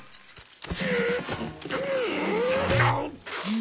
ん？